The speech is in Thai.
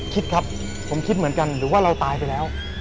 คิดครับผมคิดเหมือนกันหรือว่าเราตายไปแล้ว